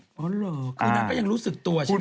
อ๋อเหรอคือนางก็ยังรู้สึกตัวใช่ไหม